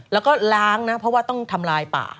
แล้วก็ล้างนะเพราะว่าต้องทำลายป่า